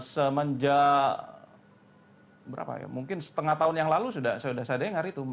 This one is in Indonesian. semenjak setengah tahun yang lalu sudah saya dengar itu